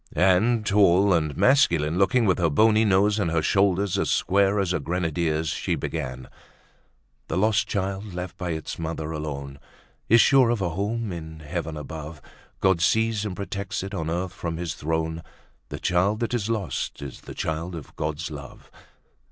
'" And, tall and masculine looking, with her bony nose and her shoulders as square as a grenadier's she began: "The lost child left by its mother alone Is sure of a home in Heaven above, God sees and protects it on earth from His throne, The child that is lost is the child of God's love."